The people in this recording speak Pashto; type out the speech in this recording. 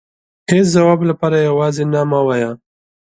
هيچ ځواب لپاره يوازې نه مه وايئ .